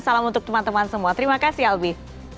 salam untuk teman teman semua terima kasih albi